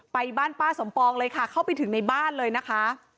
บ้านป้าสมปองเลยค่ะเข้าไปถึงในบ้านเลยนะคะ